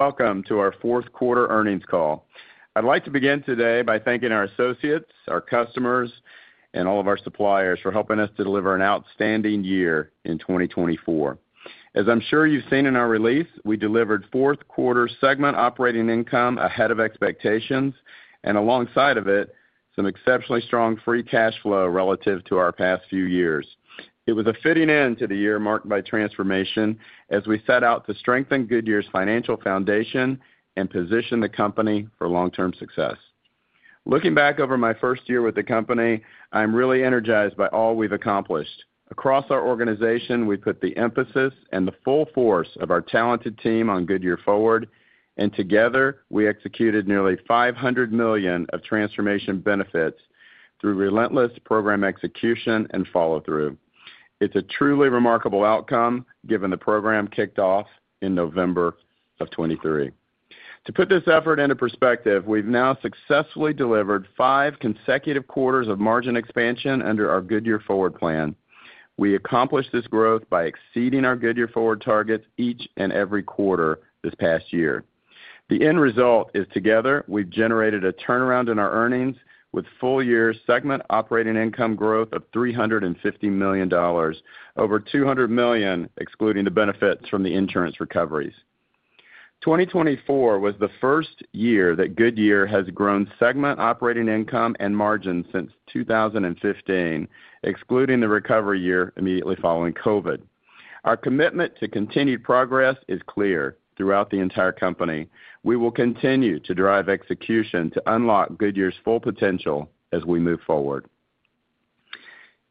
Welcome to our fourth quarter earnings call. I'd like to begin today by thanking our associates, our customers, and all of our suppliers for helping us to deliver an outstanding year in 2024. As I'm sure you've seen in our release, we delivered fourth quarter segment operating income ahead of expectations, and alongside of it, some exceptionally strong free cash flow relative to our past few years. It was a fitting end to the year marked by transformation as we set out to strengthen Goodyear's financial foundation and position the company for long-term success. Looking back over my first year with the company, I'm really energized by all we've accomplished. Across our organization, we put the emphasis and the full force of our talented team on Goodyear Forward, and together we executed nearly $500 million of transformation benefits through relentless program execution and follow-through. It's a truly remarkable outcome given the program kicked off in November of 2023. To put this effort into perspective, we've now successfully delivered five consecutive quarters of margin expansion under our Goodyear Forward plan. We accomplished this growth by exceeding our Goodyear Forward targets each and every quarter this past year. The end result is together we've generated a turnaround in our earnings with full year segment operating income growth of $350 million, over $200 million excluding the benefits from the insurance recoveries. 2024 was the first year that Goodyear has grown segment operating income and margin since 2015, excluding the recovery year immediately following COVID. Our commitment to continued progress is clear throughout the entire company. We will continue to drive execution to unlock Goodyear's full potential as we move forward.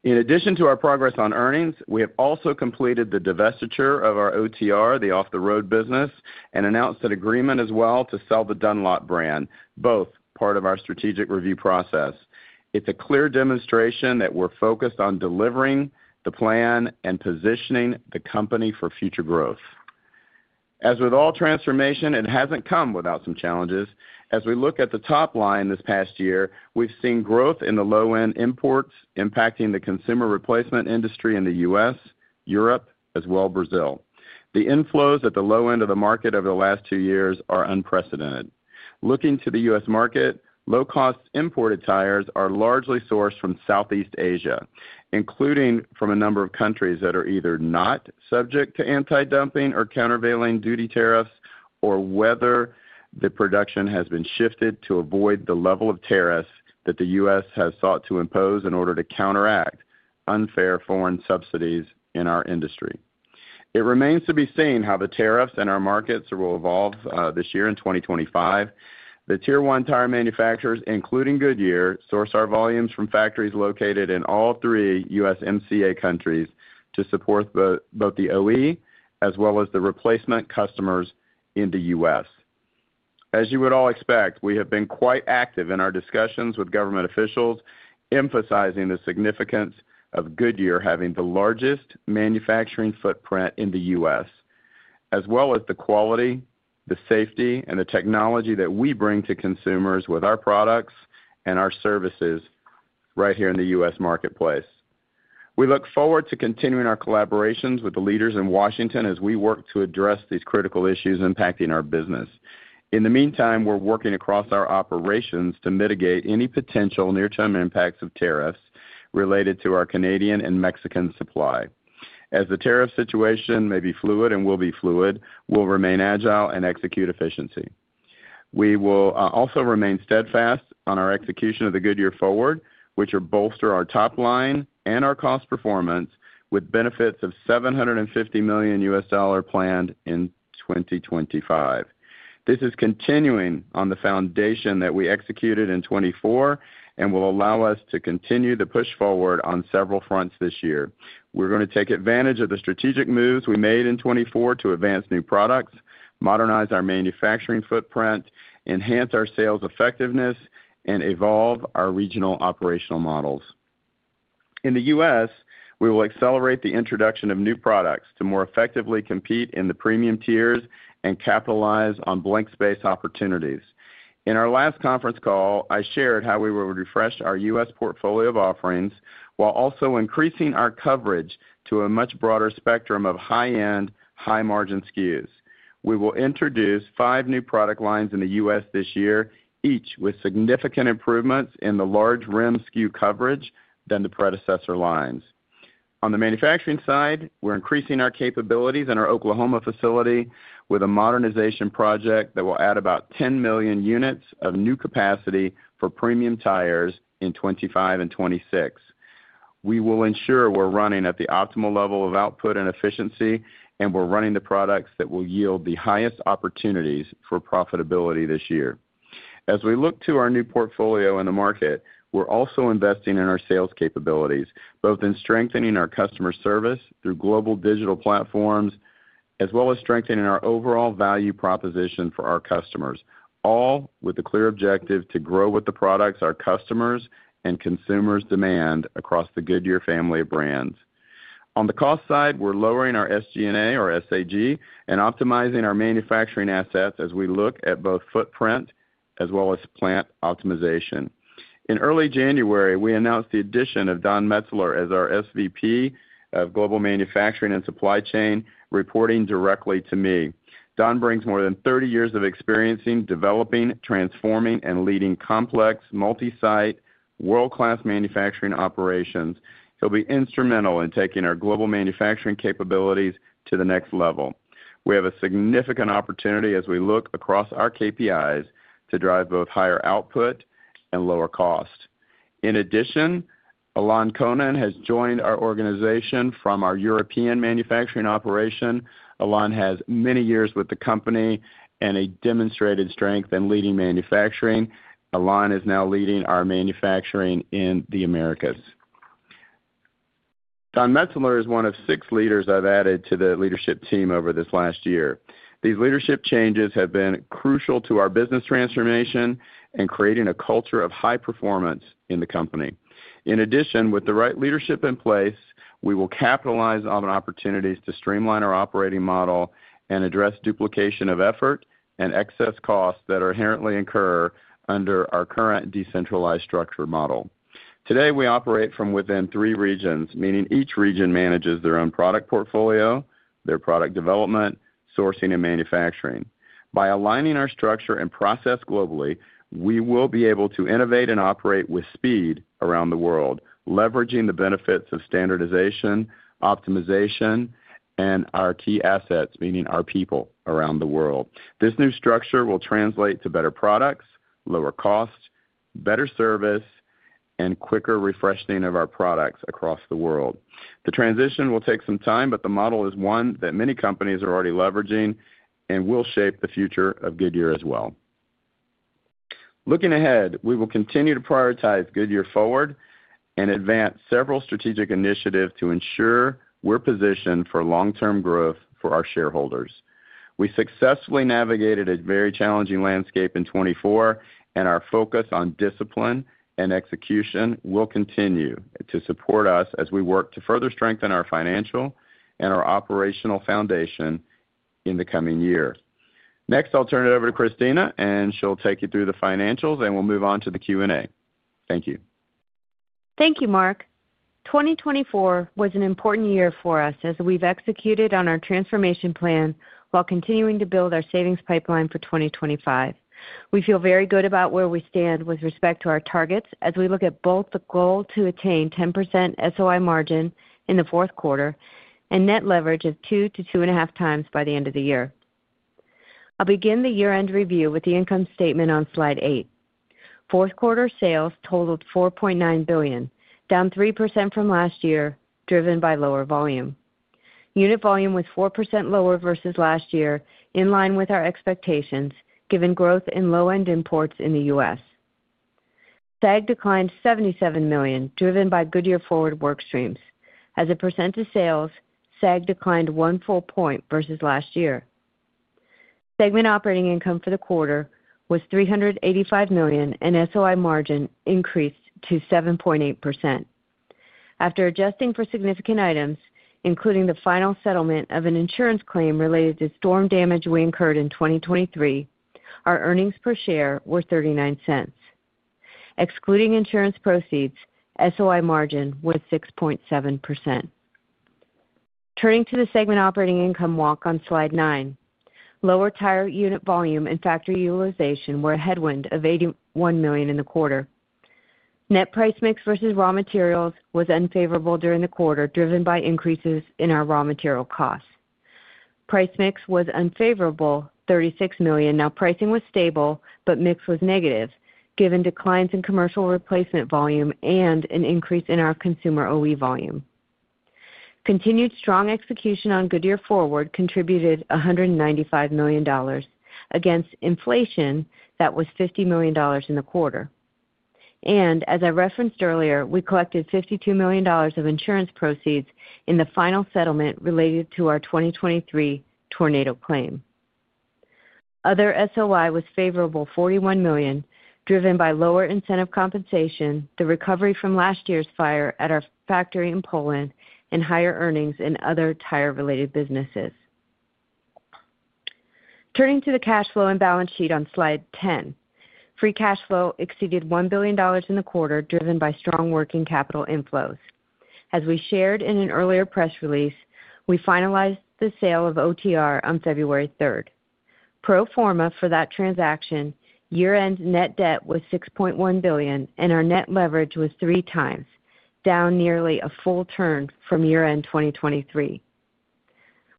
In addition to our progress on earnings, we have also completed the divestiture of our OTR, the off-the-road business, and announced an agreement as well to sell the Dunlop brand, both part of our strategic review process. It's a clear demonstration that we're focused on delivering the plan and positioning the company for future growth. As with all transformation, it hasn't come without some challenges. As we look at the top line this past year, we've seen growth in the low-end imports impacting the consumer replacement industry in the U.S., Europe, as well as Brazil. The inflows at the low end of the market over the last two years are unprecedented. Looking to the U.S. market, low-cost imported tires are largely sourced from Southeast Asia, including from a number of countries that are either not subject to anti-dumping or countervailing duty tariffs, or whether the production has been shifted to avoid the level of tariffs that the U.S. has sought to impose in order to counteract unfair foreign subsidies in our industry. It remains to be seen how the tariffs and our markets will evolve this year and 2025. The tier one tire manufacturers, including Goodyear, source our volumes from factories located in all three USMCA countries to support both the OE as well as the replacement customers in the U.S. As you would all expect, we have been quite active in our discussions with government officials, emphasizing the significance of Goodyear having the largest manufacturing footprint in the U.S., as well as the quality, the safety, and the technology that we bring to consumers with our products and our services right here in the U.S. marketplace. We look forward to continuing our collaborations with the leaders in Washington as we work to address these critical issues impacting our business. In the meantime, we're working across our operations to mitigate any potential near-term impacts of tariffs related to our Canadian and Mexican supply. As the tariff situation may be fluid and will be fluid, we'll remain agile and execute efficiency. We will also remain steadfast on our execution of the Goodyear Forward, which will bolster our top line and our cost performance with benefits of $750 million planned in 2025. This is continuing on the foundation that we executed in 2024 and will allow us to continue the push forward on several fronts this year. We're going to take advantage of the strategic moves we made in 2024 to advance new products, modernize our manufacturing footprint, enhance our sales effectiveness, and evolve our regional operational models. In the U.S., we will accelerate the introduction of new products to more effectively compete in the premium tiers and capitalize on blank space opportunities. In our last conference call, I shared how we will refresh our U.S. portfolio of offerings while also increasing our coverage to a much broader spectrum of high-end, high-margin SKUs. We will introduce five new product lines in the U.S. this year, each with significant improvements in the large rim SKU coverage than the predecessor lines. On the manufacturing side, we're increasing our capabilities in our Oklahoma facility with a modernization project that will add about 10 million units of new capacity for premium tires in 2025 and 2026. We will ensure we're running at the optimal level of output and efficiency, and we're running the products that will yield the highest opportunities for profitability this year. As we look to our new portfolio in the market, we're also investing in our sales capabilities, both in strengthening our customer service through global digital platforms as well as strengthening our overall value proposition for our customers, all with the clear objective to grow with the products our customers and consumers demand across the Goodyear family of brands. On the cost side, we're lowering our SG&A or SAG and optimizing our manufacturing assets as we look at both footprint as well as plant optimization. In early January, we announced the addition of Don Metzelaar as our SVP of Global Manufacturing and Supply Chain, reporting directly to me. Don brings more than 30 years of experience in developing, transforming, and leading complex, multi-site, world-class manufacturing operations. He'll be instrumental in taking our global manufacturing capabilities to the next level. We have a significant opportunity as we look across our KPIs to drive both higher output and lower cost. In addition, Alain Kohnen has joined our organization from our European manufacturing operation. Alain has many years with the company and a demonstrated strength in leading manufacturing. Alain is now leading our manufacturing in the Americas. Don Metzelaar is one of six leaders I've added to the leadership team over this last year. These leadership changes have been crucial to our business transformation and creating a culture of high performance in the company. In addition, with the right leadership in place, we will capitalize on opportunities to streamline our operating model and address duplication of effort and excess costs that inherently incur under our current decentralized structure model. Today, we operate from within three regions, meaning each region manages their own product portfolio, their product development, sourcing, and manufacturing. By aligning our structure and process globally, we will be able to innovate and operate with speed around the world, leveraging the benefits of standardization, optimization, and our key assets, meaning our people around the world. This new structure will translate to better products, lower costs, better service, and quicker refreshing of our products across the world. The transition will take some time, but the model is one that many companies are already leveraging and will shape the future of Goodyear as well. Looking ahead, we will continue to prioritize Goodyear Forward and advance several strategic initiatives to ensure we're positioned for long-term growth for our shareholders. We successfully navigated a very challenging landscape in 2024, and our focus on discipline and execution will continue to support us as we work to further strengthen our financial and operational foundation in the coming year. Next, I'll turn it over to Christina, and she'll take you through the financials, and we'll move on to the Q&A. Thank you. Thank you, Mark. 2024 was an important year for us as we've executed on our transformation plan while continuing to build our savings pipeline for 2025. We feel very good about where we stand with respect to our targets as we look at both the goal to attain 10% SOI margin in the fourth quarter and net leverage of 2x-2.5x by the end of the year. I'll begin the year-end review with the income statement on slide eight. Fourth quarter sales totaled $4.9 billion, down 3% from last year, driven by lower volume. Unit volume was 4% lower versus last year, in line with our expectations, given growth in low-end imports in the U.S. SAG declined $77 million, driven by Goodyear Forward workstreams. As a percent of sales, SAG declined one full point versus last year. Segment operating income for the quarter was $385 million, and SOI margin increased to 7.8%. After adjusting for significant items, including the final settlement of an insurance claim related to storm damage we incurred in 2023, our earnings per share were $0.39. Excluding insurance proceeds, SOI margin was 6.7%. Turning to the segment operating income walk on slide nine, lower tire unit volume and factory utilization were a headwind of $81 million in the quarter. Net price mix versus raw materials was unfavorable during the quarter, driven by increases in our raw material costs. Price mix was unfavorable, $36 million. Now, pricing was stable, but mix was negative, given declines in commercial replacement volume and an increase in our consumer OE volume. Continued strong execution on Goodyear Forward contributed $195 million against inflation that was $50 million in the quarter. As I referenced earlier, we collected $52 million of insurance proceeds in the final settlement related to our 2023 tornado claim. Other SOI was favorable $41 million, driven by lower incentive compensation, the recovery from last year's fire at our factory in Poland, and higher earnings in other tire-related businesses. Turning to the cash flow and balance sheet on slide 10, free cash flow exceeded $1 billion in the quarter, driven by strong working capital inflows. As we shared in an earlier press release, we finalized the sale of OTR on February 3rd. Pro forma for that transaction, year-end net debt was $6.1 billion, and our net leverage was 3x, down nearly a full turn from year-end 2023.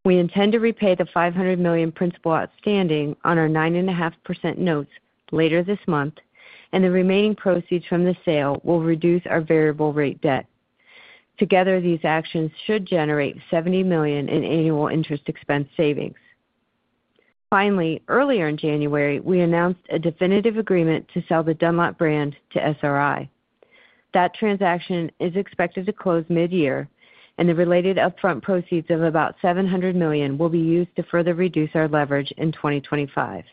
We intend to repay the $500 million principal outstanding on our 9.5% notes later this month, and the remaining proceeds from the sale will reduce our variable rate debt. Together, these actions should generate $70 million in annual interest expense savings. Finally, earlier in January, we announced a definitive agreement to sell the Dunlop brand to SRI. That transaction is expected to close mid-year, and the related upfront proceeds of about $700 million will be used to further reduce our leverage in 2025.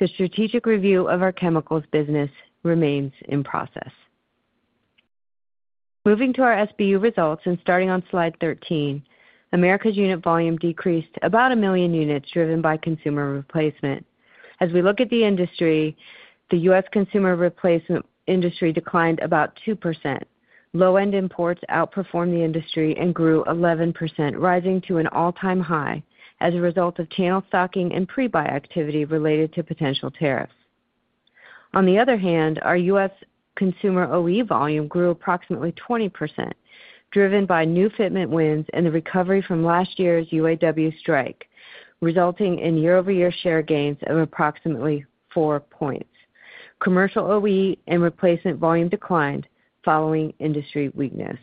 The strategic review of our Chemicals business remains in process. Moving to our SBU results and starting on slide 13, Americas' unit volume decreased about a million units, driven by consumer replacement. As we look at the industry, the U.S. consumer replacement industry declined about 2%. Low-end imports outperformed the industry and grew 11%, rising to an all-time high as a result of channel stocking and pre-buy activity related to potential tariffs. On the other hand, our U.S. consumer OE volume grew approximately 20%, driven by new fitment wins and the recovery from last year's UAW strike, resulting in year-over-year share gains of approximately four points. Commercial OE and replacement volume declined following industry weakness.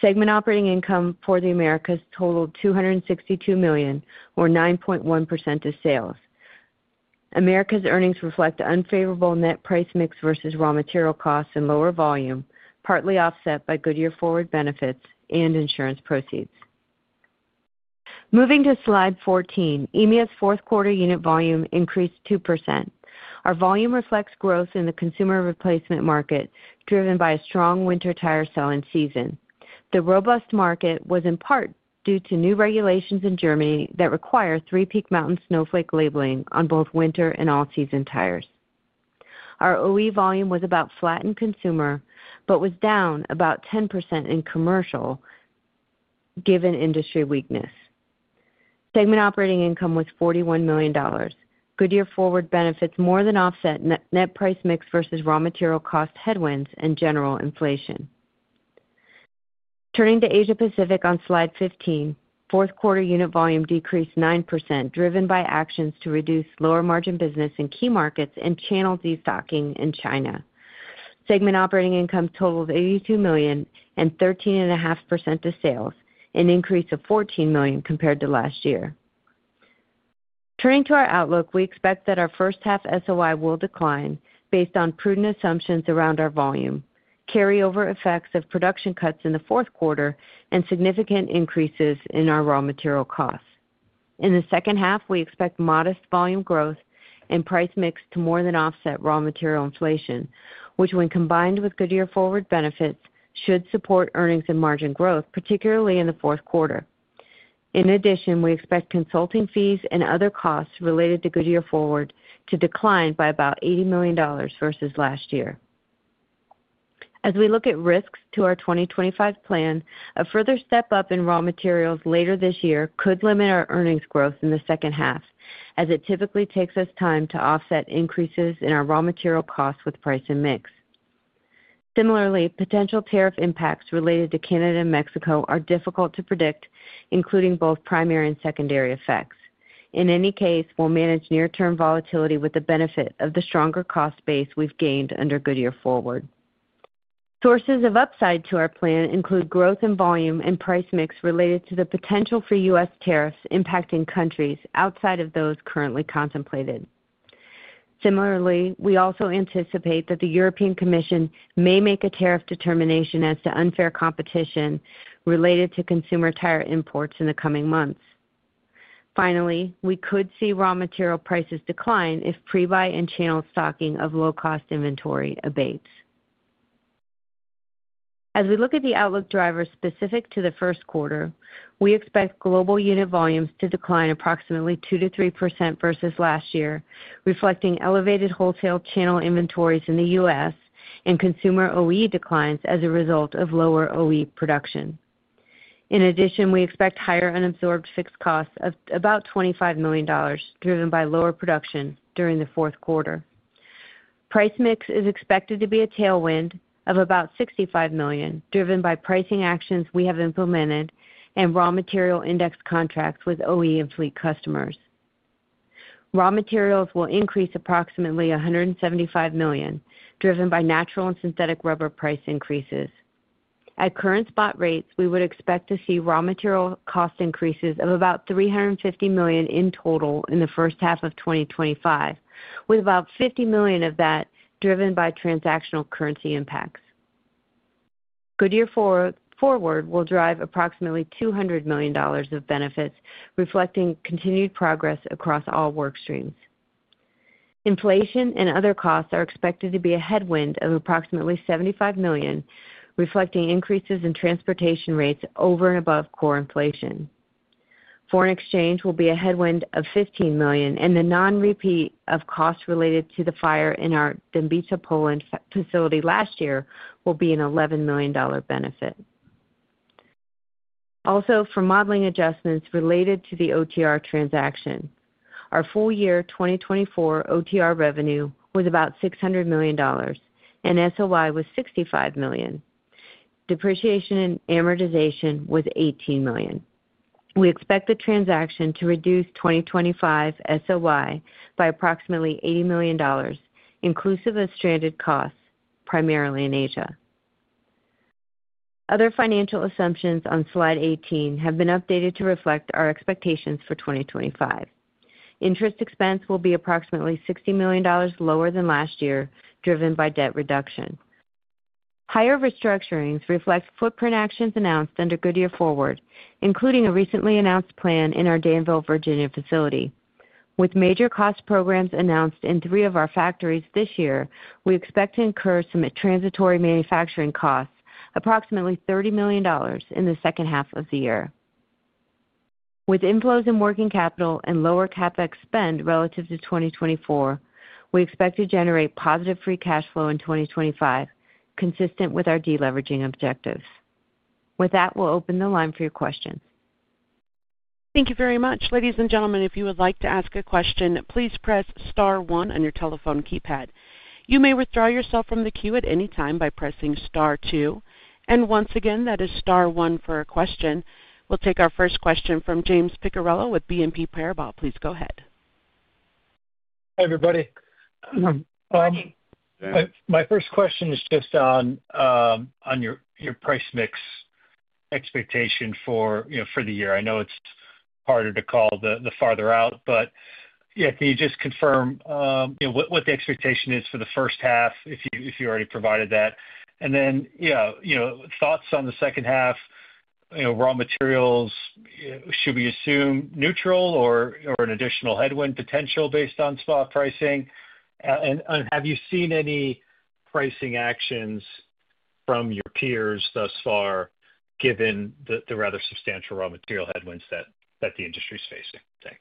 Segment operating income for the Americas totaled $262 million, or 9.1% of sales. Americas' earnings reflect unfavorable net price mix versus raw material costs and lower volume, partly offset by Goodyear Forward benefits and insurance proceeds. Moving to slide 14, EMEA's fourth quarter unit volume increased 2%. Our volume reflects growth in the consumer replacement market, driven by a strong winter tire selling season. The robust market was in part due to new regulations in Germany that require Three-Peak Mountain Snowflake labeling on both winter and all-season tires. Our OE volume was about flat in consumer, but was down about 10% in commercial, given industry weakness. Segment operating income was $41 million. Goodyear Forward benefits more than offset net price mix versus raw material cost headwinds and general inflation. Turning to Asia-Pacific on slide 15, fourth quarter unit volume decreased 9%, driven by actions to reduce lower margin business in key markets and channel destocking in China. Segment operating income totaled $82 million and 13.5% of sales, an increase of $14 million compared to last year. Turning to our outlook, we expect that our first half SOI will decline based on prudent assumptions around our volume, carryover effects of production cuts in the fourth quarter, and significant increases in our raw material costs. In the second half, we expect modest volume growth and price mix to more than offset raw material inflation, which, when combined with Goodyear Forward benefits, should support earnings and margin growth, particularly in the fourth quarter. In addition, we expect consulting fees and other costs related to Goodyear Forward to decline by about $80 million versus last year. As we look at risks to our 2025 plan, a further step up in raw materials later this year could limit our earnings growth in the second half, as it typically takes us time to offset increases in our raw material costs with price and mix. Similarly, potential tariff impacts related to Canada and Mexico are difficult to predict, including both primary and secondary effects. In any case, we'll manage near-term volatility with the benefit of the stronger cost base we've gained under Goodyear Forward. Sources of upside to our plan include growth in volume and price mix related to the potential for U.S. tariffs impacting countries outside of those currently contemplated. Similarly, we also anticipate that the European Commission may make a tariff determination as to unfair competition related to consumer tire imports in the coming months. Finally, we could see raw material prices decline if pre-buy and channel stocking of low-cost inventory abates. As we look at the outlook drivers specific to the first quarter, we expect global unit volumes to decline approximately 2%-3% versus last year, reflecting elevated wholesale channel inventories in the U.S. and consumer OE declines as a result of lower OE production. In addition, we expect higher unabsorbed fixed costs of about $25 million, driven by lower production during the fourth quarter. Price mix is expected to be a tailwind of about $65 million, driven by pricing actions we have implemented and raw material index contracts with OE and fleet customers. Raw materials will increase approximately $175 million, driven by natural and synthetic rubber price increases. At current spot rates, we would expect to see raw material cost increases of about $350 million in total in the first half of 2025, with about $50 million of that driven by transactional currency impacts. Goodyear Forward will drive approximately $200 million of benefits, reflecting continued progress across all workstreams. Inflation and other costs are expected to be a headwind of approximately $75 million, reflecting increases in transportation rates over and above core inflation. Foreign exchange will be a headwind of $15 million, and the non-repeat of costs related to the fire in our Dębica, Poland facility last year will be an $11 million benefit. Also, for modeling adjustments related to the OTR transaction, our full year 2024 OTR revenue was about $600 million, and SOI was $65 million. Depreciation and amortization was $18 million. We expect the transaction to reduce 2025 SOI by approximately $80 million, inclusive of stranded costs, primarily in Asia. Other financial assumptions on slide 18 have been updated to reflect our expectations for 2025. Interest expense will be approximately $60 million lower than last year, driven by debt reduction. Higher restructurings reflect footprint actions announced under Goodyear Forward, including a recently announced plan in our Danville, Virginia facility. With major cost programs announced in three of our factories this year, we expect to incur some transitory manufacturing costs, approximately $30 million in the second half of the year. With inflows in working capital and lower CapEx spend relative to 2024, we expect to generate positive free cash flow in 2025, consistent with our deleveraging objectives. With that, we'll open the line for your questions. Thank you very much. Ladies and gentlemen, if you would like to ask a question, please press star one on your telephone keypad. You may withdraw yourself from the queue at any time by pressing star two. And once again, that is Star 1 for a question. We'll take our first question from James Picariello with BNP Paribas. Please go ahead. Hi, everybody. My first question is just on your price mix expectation for the year. I know it's harder to call the farther out, but yeah, can you just confirm what the expectation is for the first half, if you already provided that? And then, yeah, thoughts on the second half, raw materials, should we assume neutral or an additional headwind potential based on spot pricing? And have you seen any pricing actions from your peers thus far, given the rather substantial raw material headwinds that the industry is facing? Thanks.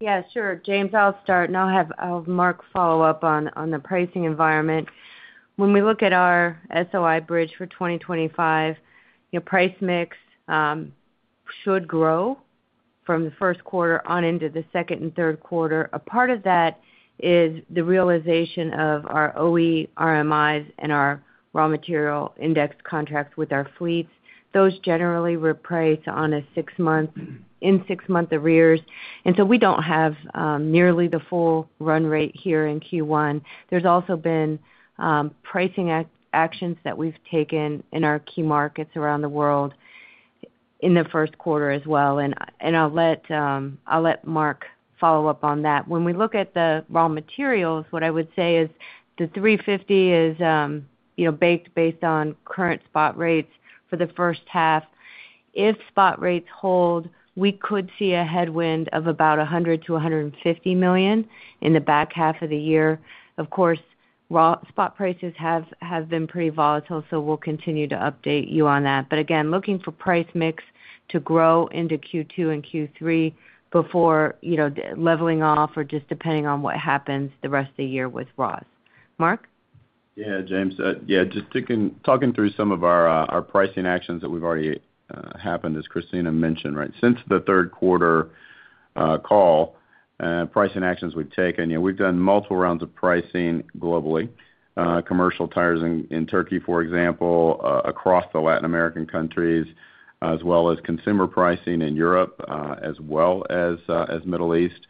Yeah, sure. James, I'll start, and I'll let Mark follow up on the pricing environment. When we look at our SOI bridge for 2025, price mix should grow from the first quarter on into the second and third quarter. A part of that is the realization of our OE, RMIs, and our raw material index contracts with our fleets. Those generally reprice in six month arrears. And so we don't have nearly the full run rate here in Q1. There's also been pricing actions that we've taken in our key markets around the world in the first quarter as well. And I'll let Mark follow up on that. When we look at the raw materials, what I would say is the $350 million is baked based on current spot rates for the first half. If spot rates hold, we could see a headwind of about $100 million-$150 million in the back half of the year. Of course, spot prices have been pretty volatile, so we'll continue to update you on that. But again, looking for price mix to grow into Q2 and Q3 before leveling off or just depending on what happens the rest of the year with ROS. Mark? Yeah, James. Yeah, just talking through some of our pricing actions that we've already happened, as Christina mentioned, right? Since the third quarter call, pricing actions we've taken. We've done multiple rounds of pricing globally, commercial tires in Turkey, for example, across the Latin American countries, as well as consumer pricing in Europe, as well as Middle East.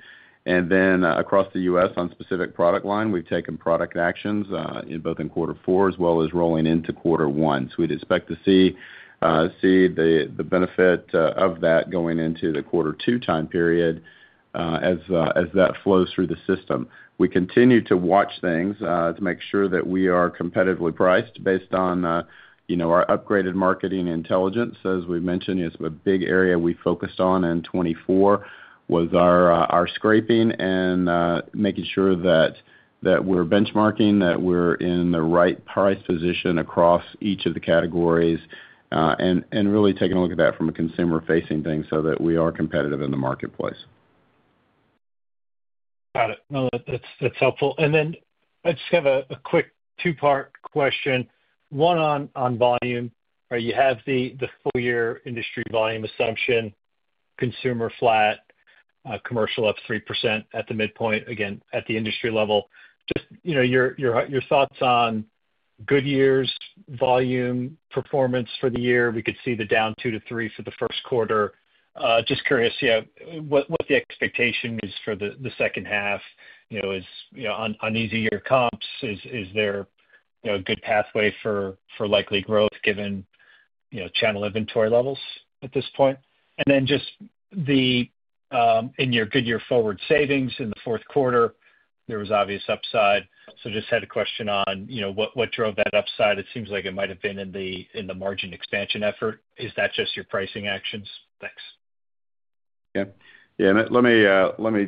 And then across the U.S. on specific product line, we've taken product actions both in quarter four as well as rolling into quarter one. So we'd expect to see the benefit of that going into the quarter two time period as that flows through the system. We continue to watch things to make sure that we are competitively priced based on our upgraded marketing intelligence. As we've mentioned, it's a big area we focused on in 2024 was our scraping and making sure that we're benchmarking, that we're in the right price position across each of the categories, and really taking a look at that from a consumer-facing thing so that we are competitive in the marketplace. Got it. No, that's helpful. And then I just have a quick two-part question. One on volume, right? You have the full year industry volume assumption, consumer flat, commercial up 3% at the midpoint, again, at the industry level. Just your thoughts on Goodyear's volume performance for the year. We could see the down two to three for the first quarter. Just curious, yeah, what the expectation is for the second half? Is on easier comps? Is there a good pathway for likely growth given channel inventory levels at this point? And then just in your Goodyear Forward savings in the fourth quarter, there was obvious upside. So just had a question on what drove that upside. It seems like it might have been in the margin expansion effort. Is that just your pricing actions? Thanks. Yeah. Yeah. Let me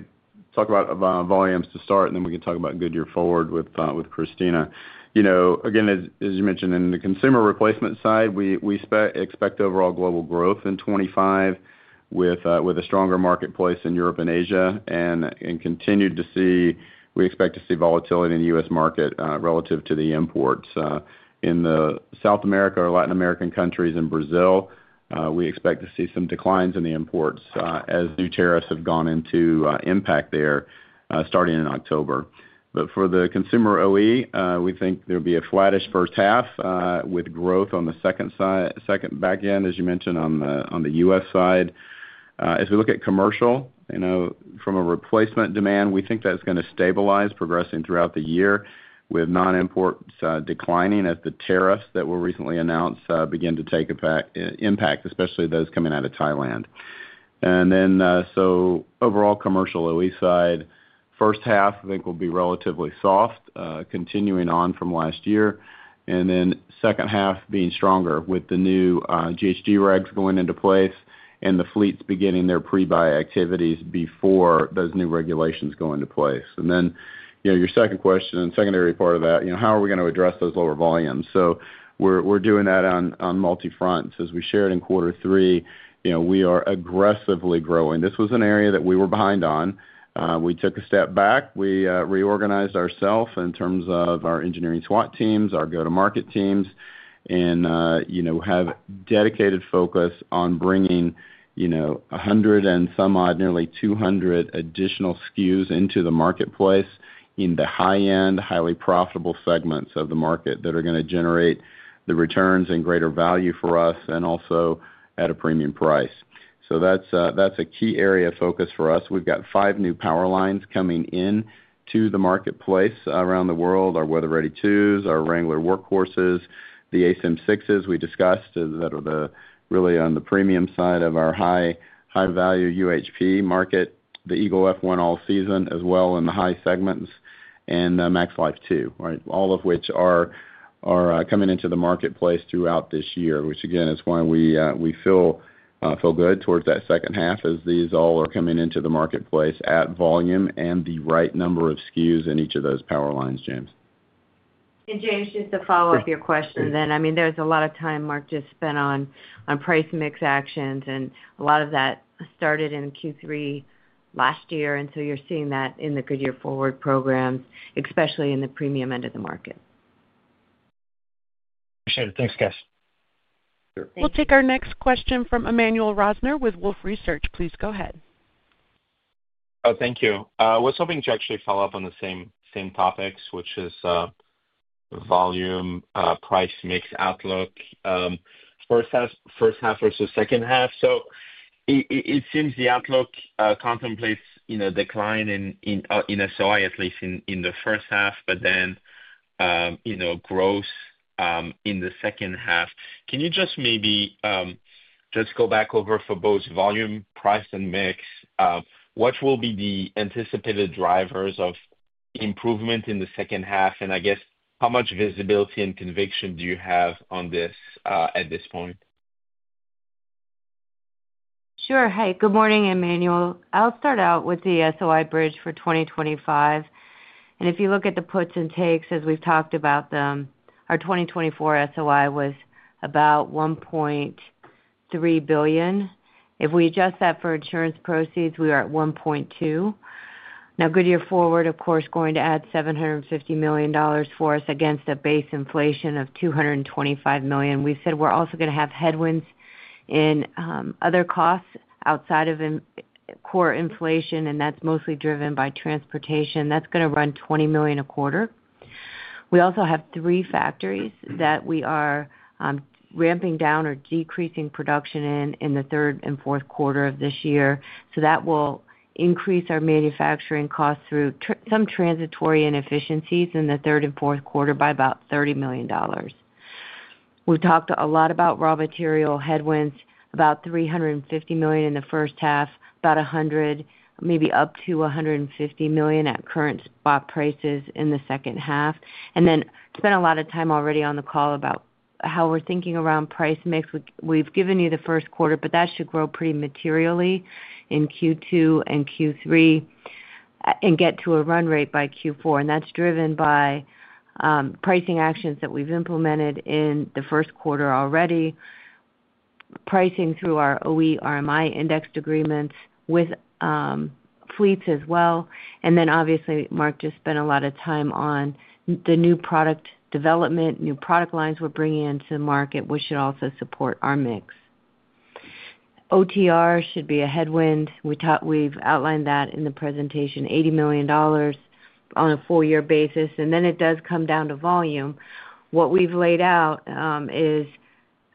talk about volumes to start, and then we can talk about Goodyear Forward with Christina. Again, as you mentioned, in the consumer replacement side, we expect overall global growth in 2025 with a stronger marketplace in Europe and Asia. And continued to see, we expect to see volatility in the U.S. market relative to the imports. In the South America or Latin American countries and Brazil, we expect to see some declines in the imports as new tariffs have gone into impact there starting in October. But for the consumer OE, we think there'll be a flattish first half with growth on the second back end, as you mentioned, on the U.S. side. As we look at commercial, from a replacement demand, we think that's going to stabilize, progressing throughout the year, with non-imports declining as the tariffs that were recently announced begin to take impact, especially those coming out of Thailand. And then so overall commercial OE side, first half, I think will be relatively soft, continuing on from last year. And then second half being stronger with the new GHG regs going into place and the fleets beginning their pre-buy activities before those new regulations go into place. And then your second question and secondary part of that, how are we going to address those lower volumes? So we're doing that on multi-front. As we shared in quarter three, we are aggressively growing. This was an area that we were behind on. We took a step back. We reorganized ourselves in terms of our engineering SWAT teams, our go-to-market teams, and have dedicated focus on bringing 100 and some, nearly 200 additional SKUs into the marketplace in the high-end, highly profitable segments of the market that are going to generate the returns and greater value for us and also at a premium price. So that's a key area of focus for us. We've got five new product lines coming into the marketplace around the world, our WeatherReady 2s, our Wrangler Workhorses, the Asymmetric 6s we discussed that are really on the premium side of our high-value UHP market, the Eagle F1 All Season as well in the high segments, and MaxLife 2, right? All of which are coming into the marketplace throughout this year, which again is why we feel good towards that second half as these all are coming into the marketplace at volume and the right number of SKUs in each of those power lines, James. And James, just to follow up your question then, I mean, there's a lot of time, Mark, just spent on price mix actions, and a lot of that started in Q3 last year. And so you're seeing that in the Goodyear Forward programs, especially in the premium end of the market. Appreciate it. Thanks, guys. We'll take our next question from Emmanuel Rosner with Wolfe Research. Please go ahead. Oh, thank you. I was hoping to actually follow up on the same topics, which is volume, price mix outlook, first half versus second half. So it seems the outlook contemplates decline in SOI, at least in the first half, but then growth in the second half. Can you just maybe just go back over for both volume, price, and mix? What will be the anticipated drivers of improvement in the second half? And I guess, how much visibility and conviction do you have on this at this point? Sure. Hi. Good morning, Emmanuel. I'll start out with the SOI bridge for 2025. And if you look at the puts and takes, as we've talked about them, our 2024 SOI was about $1.3 billion. If we adjust that for insurance proceeds, we are at $1.2 billion. Now, Goodyear Forward, of course, going to add $750 million for us against a base inflation of $225 million. We said we're also going to have headwinds in other costs outside of core inflation, and that's mostly driven by transportation. That's going to run $20 million a quarter. We also have three factories that we are ramping down or decreasing production in the third and fourth quarter of this year. So that will increase our manufacturing costs through some transitory inefficiencies in the third and fourth quarter by about $30 million. We've talked a lot about raw material headwinds, about $350 million in the first half, about $100 million, maybe up to $150 million at current spot prices in the second half. And then spent a lot of time already on the call about how we're thinking around price mix. We've given you the first quarter, but that should grow pretty materially in Q2 and Q3 and get to a run rate by Q4. And that's driven by pricing actions that we've implemented in the first quarter already, pricing through our OE, RMI, indexed agreements with fleets as well. And then, obviously, Mark just spent a lot of time on the new product development, new product lines we're bringing into the market, which should also support our mix. OTR should be a headwind. We've outlined that in the presentation, $80 million on a four-year basis. And then it does come down to volume. What we've laid out is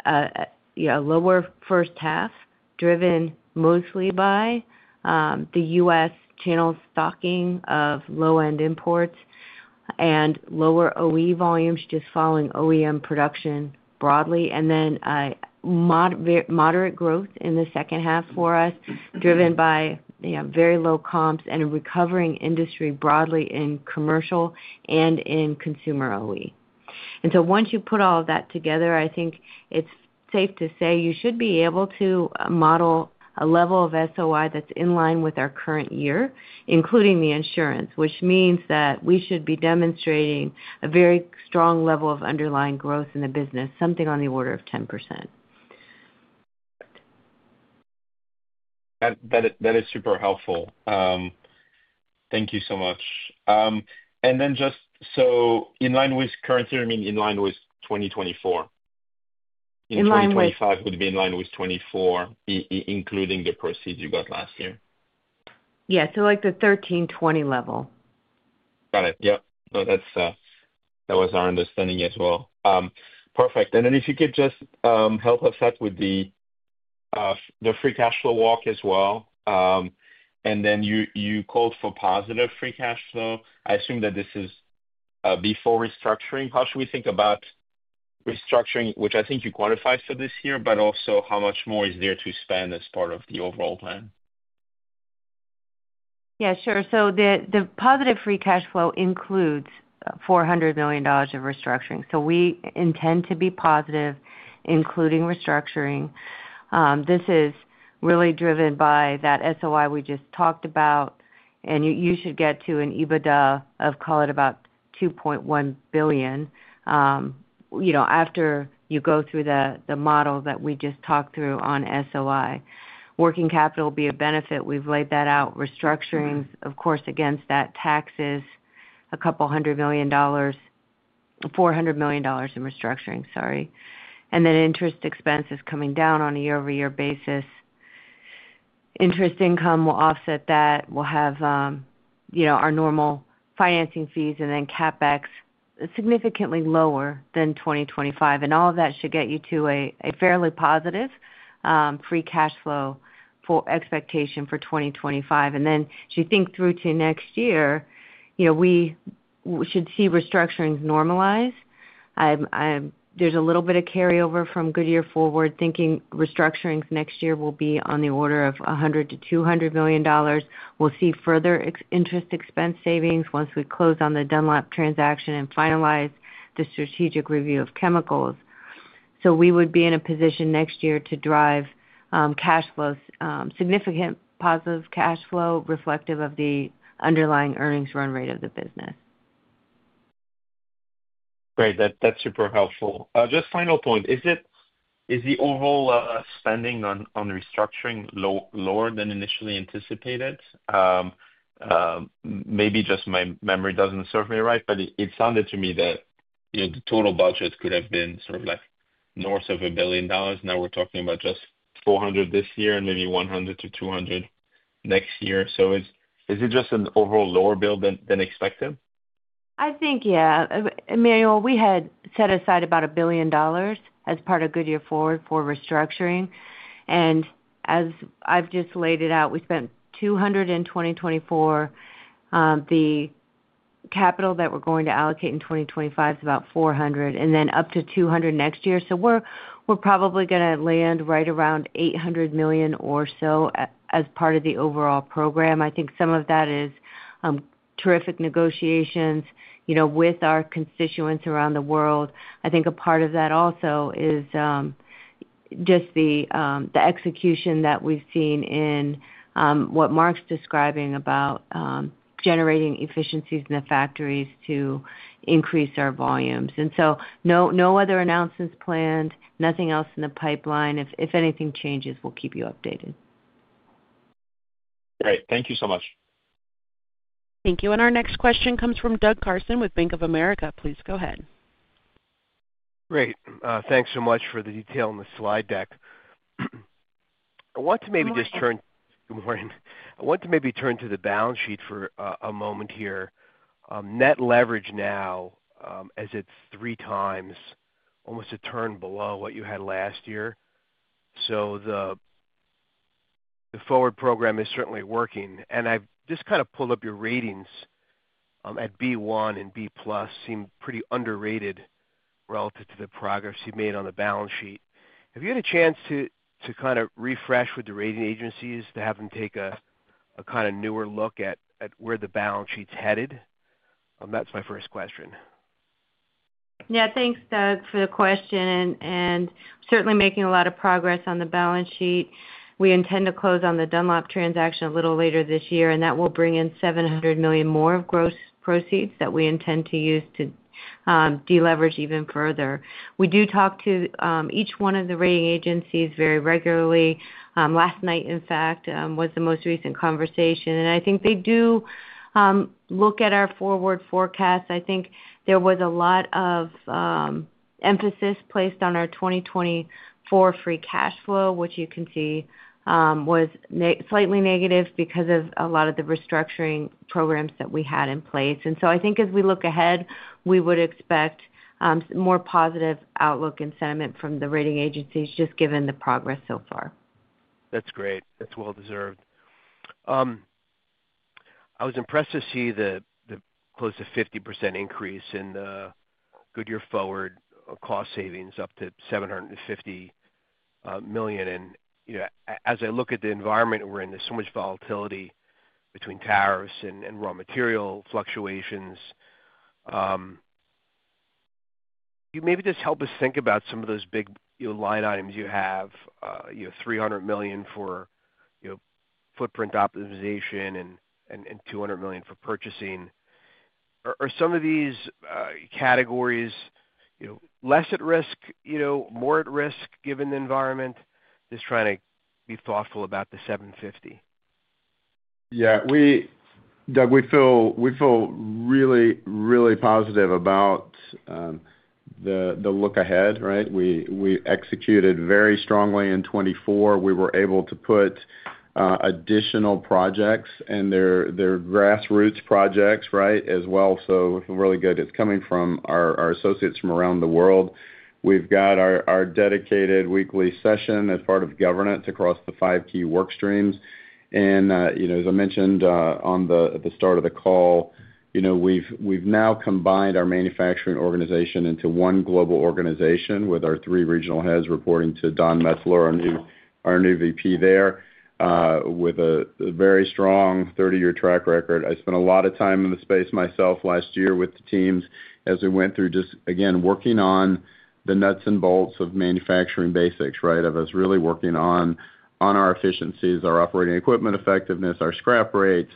a lower first half driven mostly by the U.S. channel stocking of low-end imports and lower OE volumes just following OEM production broadly. And then moderate growth in the second half for us, driven by very low comps and a recovering industry broadly in commercial and in consumer OE. And so once you put all of that together, I think it's safe to say you should be able to model a level of SOI that's in line with our current year, including the insurance, which means that we should be demonstrating a very strong level of underlying growth in the business, something on the order of 10%. That is super helpful. Thank you so much. And then just so in line with current year, I mean, in line with 2024. In line with? 2025 would be in line with 2024, including the proceeds you got last year. Yeah. So like the 13-20 level. Got it. Yep. No, that was our understanding as well. Perfect. And then if you could just help us out with the free cash flow walk as well. And then you called for positive free cash flow. I assume that this is before restructuring. How should we think about restructuring, which I think you quantify for this year, but also how much more is there to spend as part of the overall plan? Yeah, sure, so the positive free cash flow includes $400 million of restructuring, so we intend to be positive, including restructuring. This is really driven by that SOI we just talked about, and you should get to an EBITDA of, call it, about $2.1 billion after you go through the model that we just talked through on SOI. Working capital will be a benefit. We've laid that out. Restructuring, of course, against that: taxes, a couple hundred million dollars, $400 million in restructuring, sorry, and then interest expense is coming down on a year-over-year basis. Interest income will offset that. We'll have our normal financing fees, and then CapEx significantly lower than 2025. And all of that should get you to a fairly positive free cash flow expectation for 2025, and then as you think through to next year, we should see restructurings normalize. There's a little bit of carryover from Goodyear Forward. Thinking restructurings next year will be on the order of $100 million-$200 million. We'll see further interest expense savings once we close on the Dunlop transaction and finalize the strategic review of Chemicals. So we would be in a position next year to drive significant positive cash flow reflective of the underlying earnings run rate of the business. Great. That's super helpful. Just final point. Is the overall spending on restructuring lower than initially anticipated? Maybe just my memory doesn't serve me right, but it sounded to me that the total budget could have been sort of like north of a billion dollars. Now we're talking about just $400 million this year and maybe $100 million-$200 million next year. So is it just an overall lower bill than expected? I think, yeah. Emmanuel, we had set aside about $1 billion as part of Goodyear Forward for restructuring, and as I've just laid it out, we spent $200 million in 2024. The capital that we're going to allocate in 2025 is about $400 million and then up to $200 million next year, so we're probably going to land right around $800 million or so as part of the overall program. I think some of that is terrific negotiations with our constituents around the world. I think a part of that also is just the execution that we've seen in what Mark's describing about generating efficiencies in the factories to increase our volumes, and so no other announcements planned, nothing else in the pipeline. If anything changes, we'll keep you updated. Great. Thank you so much. Thank you. Our next question comes from Doug Karson with Bank of America. Please go ahead. Great. Thanks so much for the detail in the slide deck. I want to maybe just turn. Good morning. Good morning. I want to maybe turn to the balance sheet for a moment here. Net leverage now, as it's 3x, almost a turn below what you had last year. So the Forward program is certainly working. And I've just kind of pulled up your ratings at B1 and B+. Seem pretty underrated relative to the progress you've made on the balance sheet. Have you had a chance to kind of refresh with the rating agencies to have them take a kind of newer look at where the balance sheet's headed? That's my first question. Yeah. Thanks, Doug, for the question. And certainly making a lot of progress on the balance sheet. We intend to close on the Dunlop transaction a little later this year, and that will bring in $700 million more of gross proceeds that we intend to use to deleverage even further. We do talk to each one of the rating agencies very regularly. Last night, in fact, was the most recent conversation. And I think they do look at our forward forecasts. I think there was a lot of emphasis placed on our 2024 free cash flow, which you can see was slightly negative because of a lot of the restructuring programs that we had in place. And so I think as we look ahead, we would expect more positive outlook and sentiment from the rating agencies just given the progress so far. That's great. That's well-deserved. I was impressed to see the close to 50% increase in the Goodyear Forward cost savings up to $750 million. And as I look at the environment we're in, there's so much volatility between tariffs and raw material fluctuations. Can you maybe just help us think about some of those big line items you have? $300 million for footprint optimization and $200 million for purchasing. Are some of these categories less at risk, more at risk given the environment? Just trying to be thoughtful about the $750 million. Yeah. Doug, we feel really, really positive about the look ahead, right? We executed very strongly in 2024. We were able to put additional projects and their grassroots projects, right, as well. So really good. It's coming from our associates from around the world. We've got our dedicated weekly session as part of governance across the five key workstreams. And as I mentioned at the start of the call, we've now combined our manufacturing organization into one global organization with our three regional heads reporting to Don Metzelaar, our new VP there, with a very strong 30-year track record. I spent a lot of time in the space myself last year with the teams as we went through just, again, working on the nuts and bolts of manufacturing basics, right? Of us really working on our efficiencies, our operating equipment effectiveness, our scrap rates,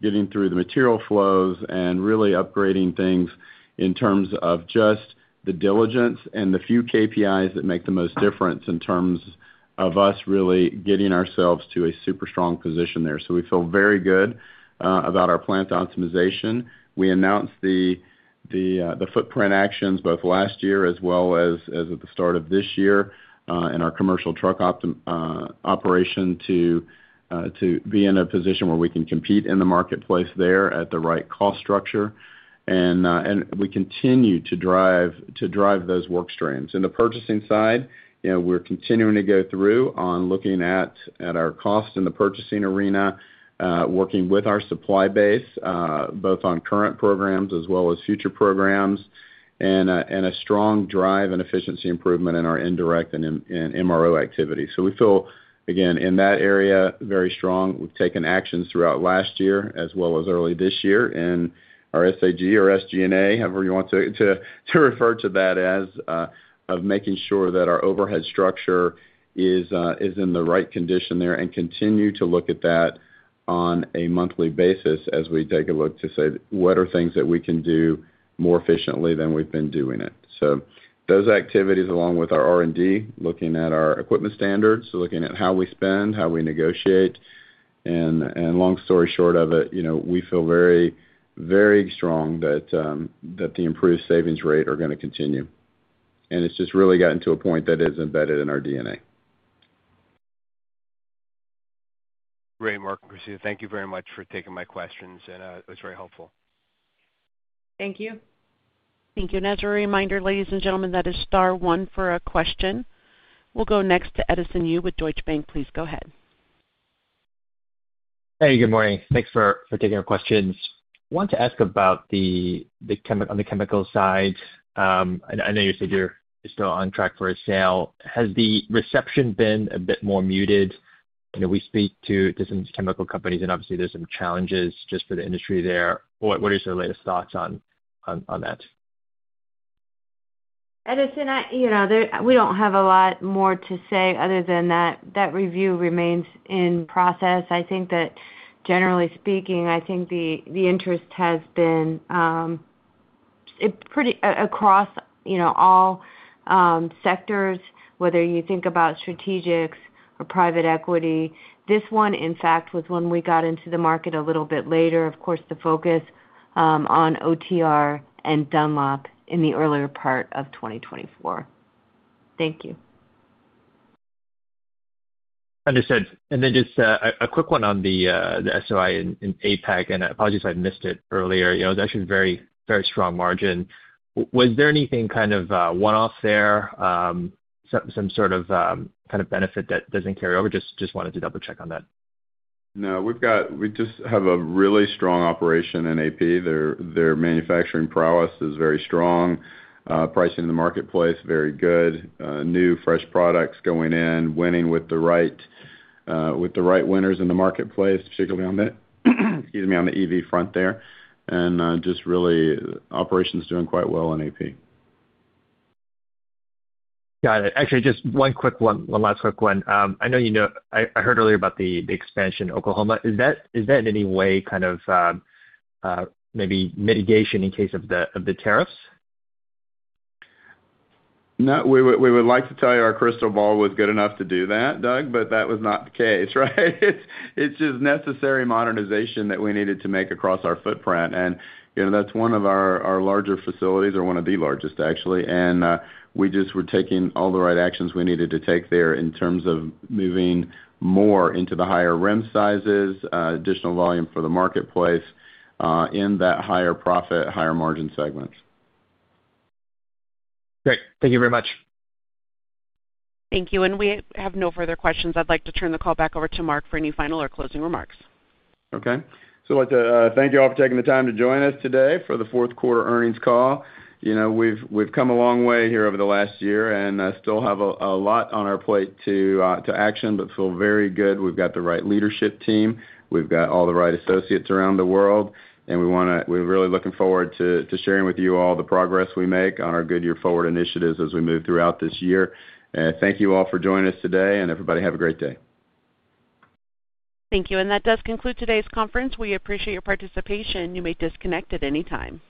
getting through the material flows, and really upgrading things in terms of just the diligence and the few KPIs that make the most difference in terms of us really getting ourselves to a super strong position there, so we feel very good about our plant optimization. We announced the footprint actions both last year as well as at the start of this year in our commercial truck operation to be in a position where we can compete in the marketplace there at the right cost structure, and we continue to drive those workstreams. On the purchasing side, we're continuing to go through on looking at our costs in the purchasing arena, working with our supply base, both on current programs as well as future programs, and a strong drive and efficiency improvement in our indirect and MRO activity. So we feel, again, in that area, very strong. We've taken actions throughout last year as well as early this year in our SAG or SG&A, however you want to refer to that, as of making sure that our overhead structure is in the right condition there and continue to look at that on a monthly basis as we take a look to say, "What are things that we can do more efficiently than we've been doing it?" So those activities, along with our R&D, looking at our equipment standards, looking at how we spend, how we negotiate. And long story short of it, we feel very, very strong that the improved savings rate are going to continue. And it's just really gotten to a point that is embedded in our DNA. Great, Mark and Christina. Thank you very much for taking my questions. It was very helpful. Thank you. Thank you. As a reminder, ladies and gentlemen, that is star one for a question. We'll go next to Edison Yu with Deutsche Bank. Please go ahead. Hey, good morning. Thanks for taking our questions. I want to ask about the Chemical side. I know you said you're still on track for a sale. Has the reception been a bit more muted? We speak to some chemical companies, and obviously, there's some challenges just for the industry there. What are your latest thoughts on that? Edison, we don't have a lot more to say other than that that review remains in process. I think that, generally speaking, I think the interest has been across all sectors, whether you think about strategics or private equity. This one, in fact, was when we got into the market a little bit later. Of course, the focus on OTR and Dunlop in the earlier part of 2024. Thank you. Understood. And then just a quick one on the SOI and APAC. And apologies if I missed it earlier. It was actually a very, very strong margin. Was there anything kind of one-off there, some sort of kind of benefit that doesn't carry over? Just wanted to double-check on that. No. We just have a really strong operation in AP. Their manufacturing prowess is very strong. Pricing in the marketplace, very good. New, fresh products going in, winning with the right winners in the marketplace, particularly on the EV front there, and just really, operations doing quite well in AP. Got it. Actually, just one last quick one. I know you know I heard earlier about the expansion in Oklahoma. Is that in any way kind of maybe mitigation in case of the tariffs? No. We would like to tell you our crystal ball was good enough to do that, Doug, but that was not the case, right? It's just necessary modernization that we needed to make across our footprint. And that's one of our larger facilities, or one of the largest, actually. And we just were taking all the right actions we needed to take there in terms of moving more into the higher rim sizes, additional volume for the marketplace in that higher profit, higher margin segments. Great. Thank you very much. Thank you. And we have no further questions. I'd like to turn the call back over to Mark for any final or closing remarks. Okay. So I'd like to thank you all for taking the time to join us today for the fourth quarter earnings call. We've come a long way here over the last year and still have a lot on our plate to action, but feel very good. We've got the right leadership team. We've got all the right associates around the world. And we're really looking forward to sharing with you all the progress we make on our Goodyear Forward initiatives as we move throughout this year. And thank you all for joining us today. And everybody, have a great day. Thank you. And that does conclude today's conference. We appreciate your participation. You may disconnect at any time.